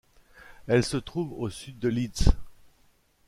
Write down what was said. Elle se trouve au sud de Leeds.